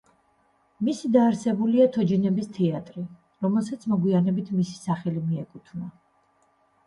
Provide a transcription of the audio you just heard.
მისი დაარსებულია თოჯინების თეატრი, რომელსაც მოგვიანებით მისი სახელი მიეკუთვნა.